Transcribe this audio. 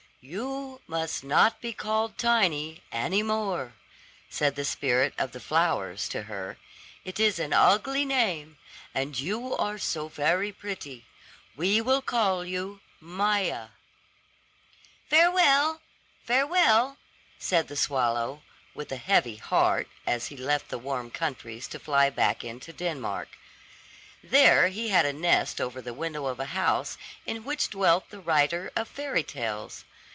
"You must not be called Tiny any more," said the spirit of the flowers to her. "It is an ugly name, and you are so very pretty. We will call you Maia." "Farewell, farewell," said the swallow, with a heavy heart as he left the warm countries to fly back into Denmark. There he had a nest over the window of a house in which dwelt the writer of fairy tales.